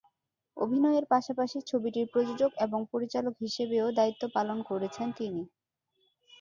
অভিনয়ের পাশাপাশি ছবিটির প্রযোজক এবং পরিচালক হিসেবেও দায়িত্ব পালন করেছেন তিনি।